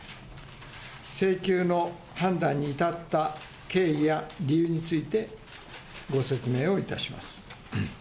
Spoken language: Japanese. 請求の判断に至った経緯や理由について、ご説明をいたします。